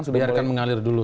sudah mulai mengalir dulu